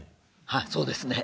はいそうですね。